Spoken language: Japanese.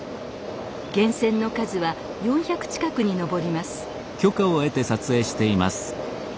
源泉の数は４００近くに上ります。